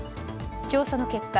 調査の結果